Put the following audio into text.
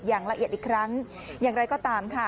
อย่างละเอียดอีกครั้งอย่างไรก็ตามค่ะ